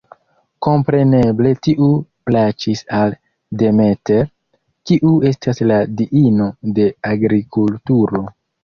Kompreneble tiu plaĉis al Demeter, kiu estas la diino de agrikulturo.